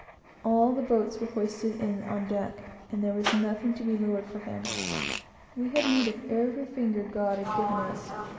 All the boats were hoisted in on deck, and there was nothing to be lowered for him. We had need of every finger God had given us.